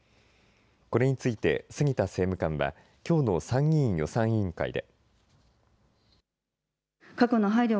これについて杉田政務官はきょうの参議院予算委員会で。